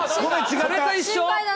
それと一緒？